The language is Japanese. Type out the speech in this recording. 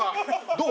どう？